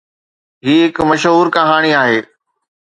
هي هڪ مشهور ڪهاڻي آهي.